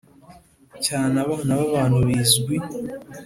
cyane abana b abantu bizwi